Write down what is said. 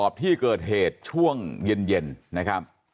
ที่เกิดเหตุช่วงเย็นนะครับ